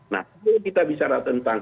nah kita bicara tentang